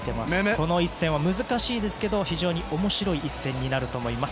この一戦は難しいですけど非常に面白い一戦になると思います。